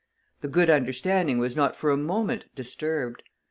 The good understanding was not for a moment disturbed.